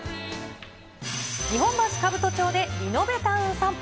日本橋兜町でリノベタウンさんぽ。